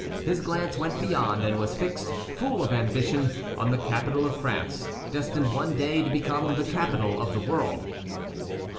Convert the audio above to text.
His glance went beyond, and was fixed, full of ambition, on the capital of France, destined one day to become the capital of the world.